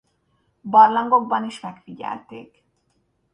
Barlangokban is megfigyelték.